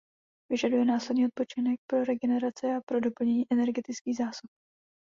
Vyžaduje následný odpočinek pro regeneraci a pro doplnění energetických zásob.